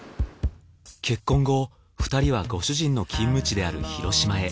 結婚後２人はご主人の勤務地である広島へ。